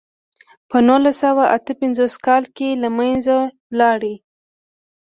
په نولس سوه اته پنځوس کال کې له منځه لاړ.